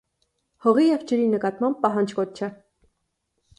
Հողի և ջրի նկատմամբ պահանջկոտ չէ։